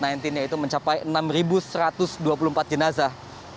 yang pentingnya itu mencapai enam satu ratus dua puluh empat jenazah